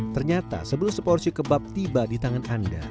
ternyata sebelum seporsi kebab tiba di tangan anda